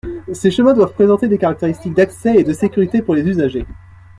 Ces chemins doivent présenter des caractéristiques d’accès et de sécurité pour les usagers.